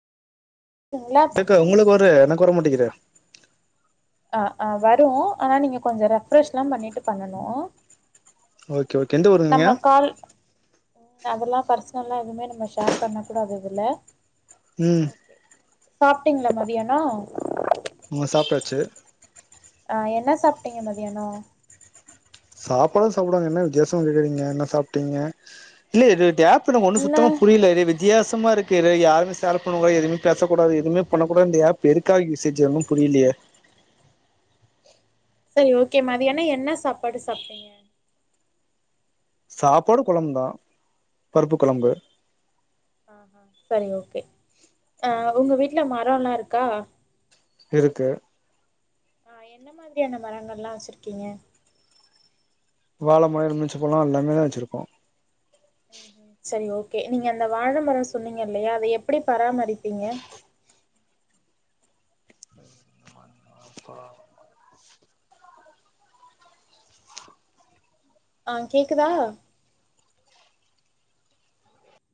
ங்களா டெக்கு ஒங்களுக்கு வரு எனக்கு வர மாட்டிங்குதே அ அ வரு ஆனா நீங்க கொஞ்சோ ரெஃப்ரெஷ்ல்லா பண்ணீட்டு பண்ணனு அ ஓகே ஓகே எந்த ஊரு நீங்க நம்ம கால் அதுல்லா பர்சனல்ல எதுமே நம்ம ஷேர் பண்ண கூடாது இதுல ம் சாப்ட்டீங்கள மதியானோ ம் சாப்டாச்சு ஆ என்ன சாப்ட்டீங்க மதியானோ சாப்பாடு சாப்டுவாங்க என்ன வித்தியாசோ கேறீங்க என்ன சாப்டிங்க இல்லே இது கேப் துன்ன ஒன்னு என்ன சுத்தமா புரியலே [unintelligible] தியாசமாருக்கு யாருமேல் சேர் பண்ண கூடாது எதுவுமே பேசக் கூடாது எதுமே பண்ணக்கூடாது ந்த ஆப்பு எதுக்காக யூசேஜ் ஒன்னு புரியிலையே சரி ஓகே மதியானோ என்ன சாப்பாடு சாப்ட்டீங்க சாப்பாடு கொழம்புந்தா பருப்பு கொழம்பு செரி ஓகே அ ஒங்க வீட்ல மரோல்லா இருக்கா இருக்கு அ என்ன மாதிரியான மரங்கள்லா வச்சிருக்கீங்க வாழ மரோ எலுமிச்சபழோ எல்லாமே தா வச்சிருக்கோ செரி ஓகே நீங்க அந்த வாழ மரம் சொன்னீங்கல்லயா அத எப்டி பராமரிப்பீங்க அப்பா ஆ கேக்குதா